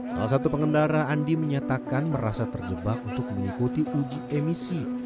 salah satu pengendara andi menyatakan merasa terjebak untuk mengikuti uji emisi